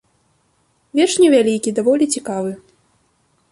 Верш невялікі, даволі цікавы.